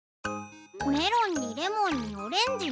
メロンにレモンにオレンジね。